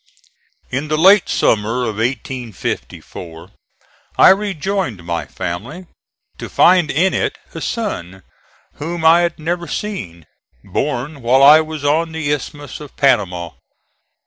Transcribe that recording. In the late summer of 1854 I rejoined my family, to find in it a son whom I had never seen, born while I was on the Isthmus of Panama.